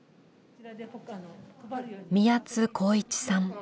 宮津航一さん。